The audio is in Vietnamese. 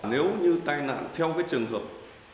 nếu như tai nạn theo cái trường hợp